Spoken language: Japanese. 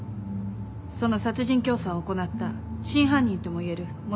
その殺人教唆を行った真犯人とも言える元